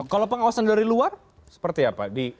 kalau pengawasan dari luar seperti apa